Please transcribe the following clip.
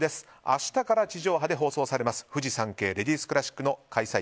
明日から地上波で放送されますフジサンケイレディスクラシックの開催